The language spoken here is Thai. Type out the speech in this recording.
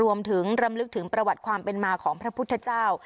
รวมถึงรำลึกถึงประวัติความเป็นมาของพระพุทธเจ้า